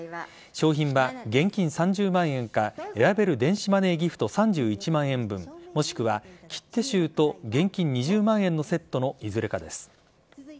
商品は、現金３０万円か選べる電子マネーギフト３１万円分もしくは切手集と現金２０万円のセットのいずれかです。